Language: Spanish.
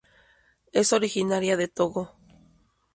Es originaria de Togo.